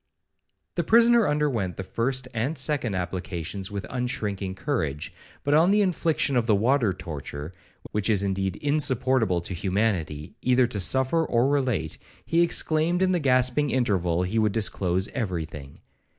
The prisoner underwent the first and second applications with unshrinking courage, but on the infliction of the water torture, which is indeed insupportable to humanity, either to suffer or relate, he exclaimed in the gasping interval, he would disclose every thing.